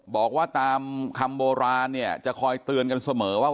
บอกว่าตามคำโบราณเนี่ยจะคอยเตือนกันเสมอว่า